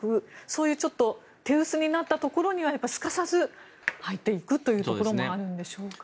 そういう手薄になったところにはすかさず入っていくところもあるんでしょうか。